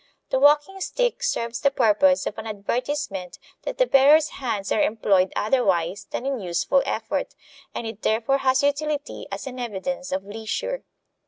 The walking stick serves the purpose of an advertisement that the bearer's hands are employed otherwise than in useful effort, and it therefore has utility as an evidence of leisure.